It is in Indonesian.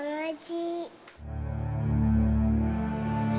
tidak pakai baju ini